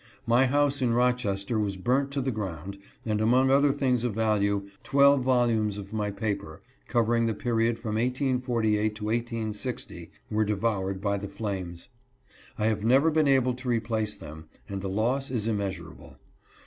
My house in Rochester was burnt to the ground, and among other things of value, twelve volumes of my paper, covering the period from 1848 to 1860, were devoured by the flames. I have never been able to replace them, and the loss is immeasurable.